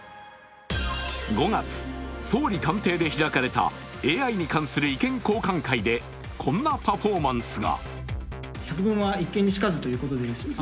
５月、総理官邸で開かれたＡＩに関する意見交換会でこんなパフォーマンスが。